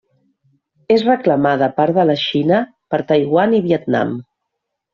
És reclamada a part de la Xina, per Taiwan i Vietnam.